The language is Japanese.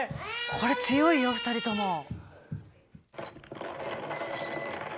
これ強いよ２人とも。